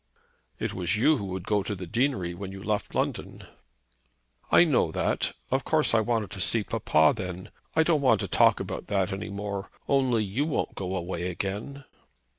"It was you who would go to the deanery when you left London." "I know that. Of course I wanted to see papa then. I don't want to talk about that any more. Only, you won't go away again?"